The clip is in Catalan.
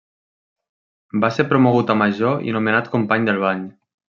Va ser promogut a major i nomenat Company del Bany.